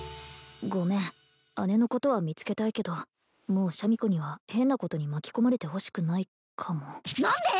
ごめん姉のことは見つけたいけどもうシャミ子には変なことに巻き込まれてほしくないかも何で！？